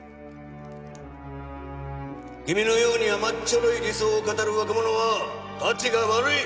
君のように甘っちょろい理想を語る若者はたちが悪い！